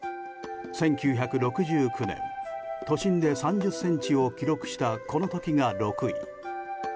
１９６９年、都心で３０ｃｍを記録したこの時が６位。